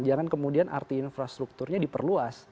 jangan kemudian arti infrastrukturnya diperluas